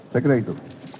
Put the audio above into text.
saya kira itu